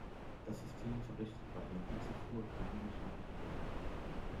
Das System verrichtet bei Energiezufuhr keine mechanische Arbeit.